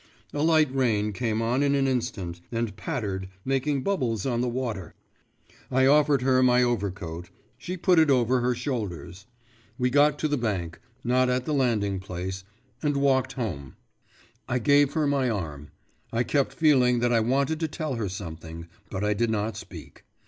… A light rain came on in an instant, and pattered, making bubbles on the water. I offered her my overcoat; she put it over her shoulders. We got to the bank not at the landing place and walked home. I gave her my arm. I kept feeling that I wanted to tell her something; but I did not speak.